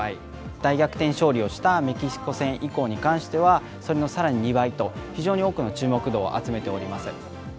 大逆転勝利をしたメキシコ戦以降に関しては、それのさらに２倍と、非常に多くの注目度を集めております。